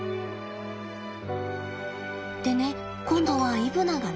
でね今度はイブナがね。